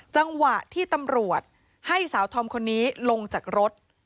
จังหวะที่ตำรวจให้สาวธอมคนนี้ลงจากรถ